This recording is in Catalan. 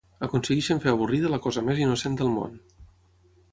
Aconsegueixen fer avorrida la cosa més innocent del món.